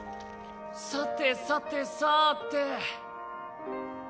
さてさてさて。